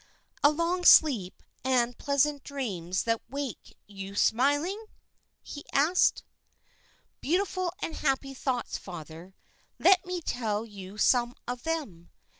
"A long sleep and pleasant dreams that wake you smiling?" he asked. "Beautiful and happy thoughts, father; let me tell you some of them.